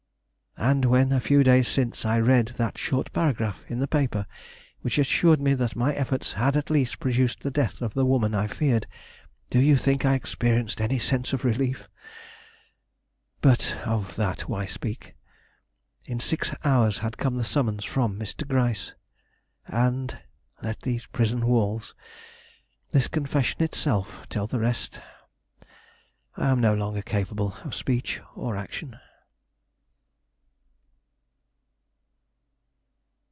And when, a few days since, I read that short paragraph in the paper which assured me that my efforts had at least produced the death of the woman I feared, do you think I experienced any sense of relief? But of that why speak? In six hours had come the summons from Mr. Gryce, and let these prison walls, this confession itself, tell the rest. I am no longer capable of speech or action.